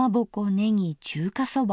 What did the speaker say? ねぎ中華そば。